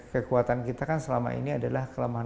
kekuatan kita kan selama ini adalah kekuatan kesehatan